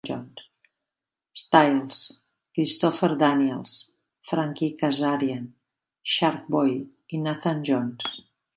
Styles, Christopher Daniels, Frankie Kazarian, Shark Boy i Nathan Jones.